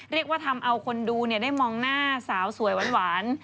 เรียกว่าทำเอาคนดูได้มองหน้าสาวสวยหวาน